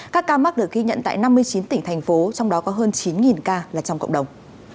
các ca mắc được ghi nhận tại năm mươi chín tỉnh thành phố trong đó có hơn chín ca là trong cộng đồng